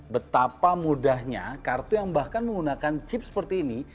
betapa mudahnya kartu yang bahkan menggunakan chip seperti ini